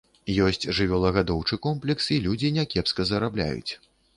Ёсць жывёлагадоўчы комплекс, і людзі някепска зарабляюць.